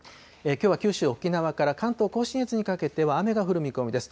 きょうは九州、沖縄から関東甲信越にかけては雨が降る見込みです。